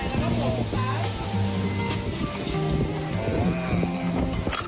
โทษ